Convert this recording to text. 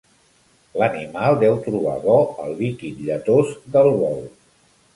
L'animal deu trobar bo el líquid lletós del bol.